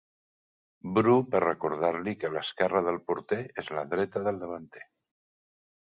Bru per recordar-li que l'esquerra del porter és la dreta del davanter.